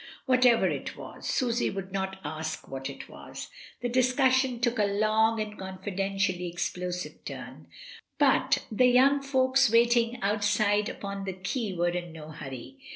Whatever it was (Susy would not ask what it was), the discussion took a long and confidentially explosive turn, but the young folks waiting outside upon the quai were in no hurry.